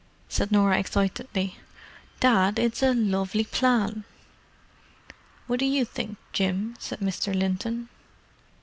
said Norah, excitedly. "Dad, it's a lovely plan!" "What do you think, Jim?" asked Mr. Linton.